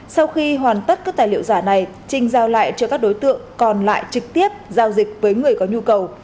sau khi hoàn tất các tài liệu giả này trinh giao lại cho các đối tượng còn lại trực tiếp giao dịch với người có nhu cầu